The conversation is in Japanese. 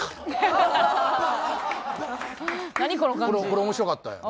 これ面白かったやん。